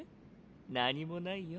何もないよ